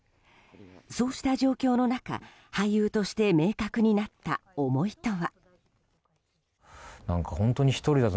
そうした状況の中、俳優として明確になった思いとは。